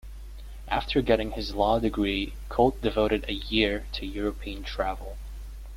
After getting his law degree, Colt devoted a year to European travel.